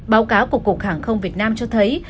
báo cáo của cục hàng không việt nam cho thấy